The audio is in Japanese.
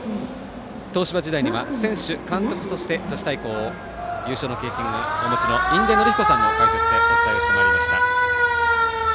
東芝時代には選手、監督として都市対抗を優勝の経験をお持ちの印出順彦さんの解説でお伝えしてまいりました。